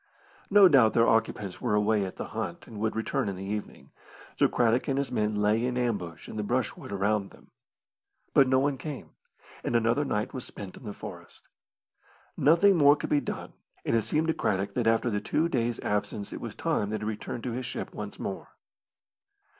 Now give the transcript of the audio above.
No doubt their occupants were away at the hunt and would return in the evening, so Craddock and his men lay in ambush in the brushwood around them. But no one came, and another night was spent in the forest. Nothing more could be done, and it seemed to Craddock that after the two days' absence it was time that he returned to his ship once more.